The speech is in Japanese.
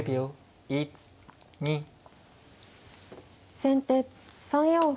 先手３四歩。